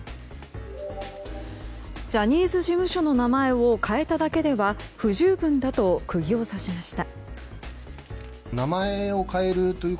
ジャニーズ事務所の名前を変えただけでは不十分だと釘を刺しました。